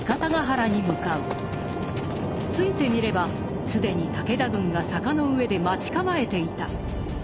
着いてみれば既に武田軍が坂の上で待ち構えていた。